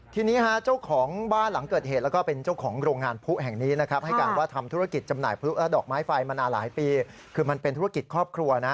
ทีนี้ฮะเจ้าของบ้านหลังเกิดเหตุแล้วก็เป็นเจ้าของโรงงานพลุแห่งนี้นะครับให้การว่าทำธุรกิจจำหน่ายพลุและดอกไม้ไฟมานานหลายปีคือมันเป็นธุรกิจครอบครัวนะ